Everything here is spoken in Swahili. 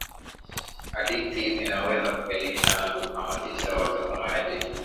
hadithi zinaweza kuelimisha na kuhamasisha watazamaji